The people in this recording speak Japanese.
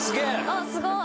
あっすごい！